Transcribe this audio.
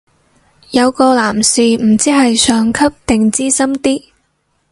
有個男士唔知係上級定資深啲